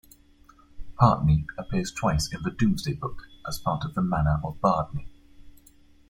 Partney appears twice in the "Domesday Book", as part of the Manor of Bardney.